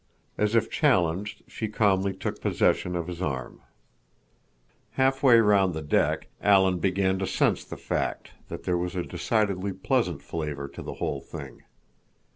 As if challenged, she calmly took possession of his arm. Halfway round the deck, Alan began to sense the fact that there was a decidedly pleasant flavor to the whole thing.